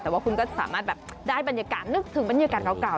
แต่ว่าคุณก็สามารถแบบได้บรรยากาศนึกถึงบรรยากาศเก่า